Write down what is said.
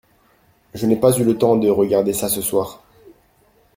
Je n’ai pas eu le temps de regarder ça ce soir.